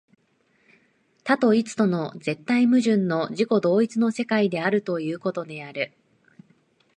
多と一との絶対矛盾の自己同一の世界であるということである。